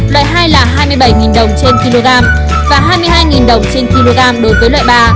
loại hai là hai mươi bảy đồng trên kg và hai mươi hai đồng trên kg đối với loại ba